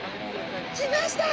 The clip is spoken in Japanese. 来ました。